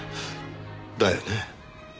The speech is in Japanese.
だよね。